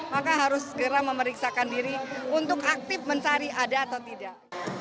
maka harus segera memeriksakan diri untuk aktif mencari ada atau tidak